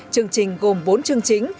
chương trình gồm bốn chương chính